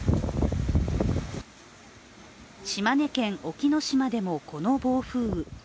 島根県隠岐の島でもこの暴風雨。